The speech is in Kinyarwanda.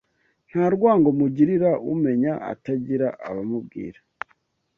Nta rwango mugirira Umenya atagira abamubwira